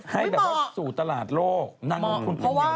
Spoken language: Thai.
ให้แบบว่าสู่ตลาดโลก